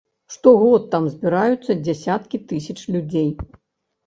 Штогод там збіраюцца дзясяткі тысяч людзей.